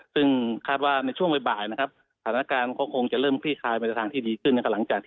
ซึ่งคาดว่าในช่วงบ่ายนะครับฐานการณ์เขาคงจะเริ่มคลี่คลายมาจากทางที่ดีขึ้น